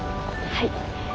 はい。